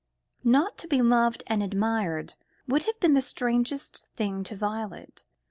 Not to be loved and admired would have been the strangest thing to Violet.